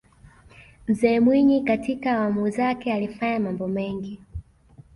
mzee mwinyi katika awamu zake alifanya mambo mengi